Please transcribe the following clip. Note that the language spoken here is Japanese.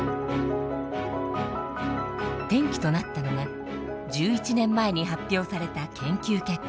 転機となったのが１１年前に発表された研究結果。